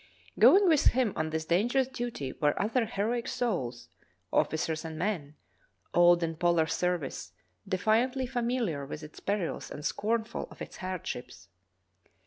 Going with him on this dangerous duty were other heroic souls, officers and men, old in polar service, de fiantly familiar with its perils and scornful of its hard ships.